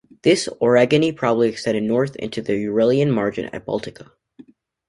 This orogeny probably extended north into the Uralian margin of Baltica.